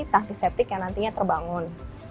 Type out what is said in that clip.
tangki septik yang nantinya terbangun